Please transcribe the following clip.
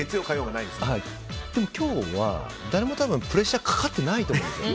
でも今日は誰もプレッシャーかかってないと思うんですよ。